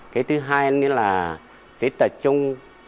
cái thứ hai nữa là sẽ tập trung